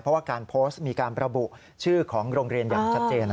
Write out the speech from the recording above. เพราะว่าการโพสต์มีการระบุชื่อของโรงเรียนอย่างชัดเจน